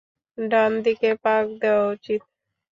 ডান দিকে পাক দেয়া উচিত।